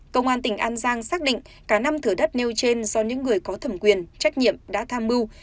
công an tỉnh an giang xác định cả năm thửa đất nêu trên do những người có thẩm quyền trách nhiệm đã tham mưu